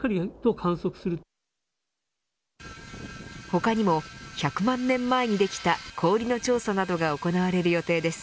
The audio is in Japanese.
他にも１００万年前にできた氷の調査などが行われる予定です。